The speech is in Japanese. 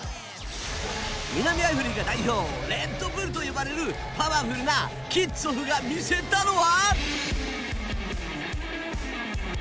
南アフリカ代表レッドブルと呼ばれるパワフルなキッツォフが見せたのは。